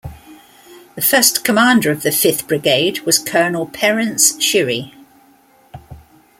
The first Commander of the Fifth Brigade was Colonel Perence Shiri.